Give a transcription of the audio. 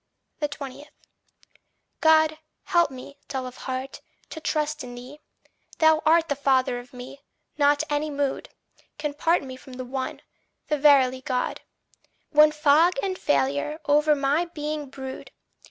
20. God, help me, dull of heart, to trust in thee. Thou art the father of me not any mood Can part me from the One, the verily Good. When fog and failure o'er my being brood.